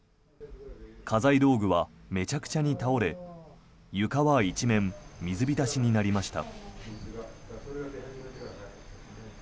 家財道具はめちゃくちゃに倒れ床は一面、水浸しになりました。